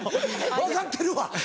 分かってるわ！